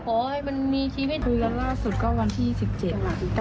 แล้วจากนั้นก็ไม่ได้คุยกันเลย